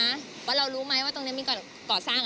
เพราะเรารู้ไหมว่าตรงนี้มีก่อสร้าง